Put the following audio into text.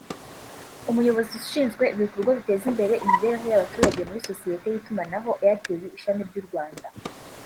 umuyobozi ushinzwe ibikorwa biteza imbere imibereho y’abaturage muri sosiyete y’itumanaho Airtel ishami ry’u Rwanda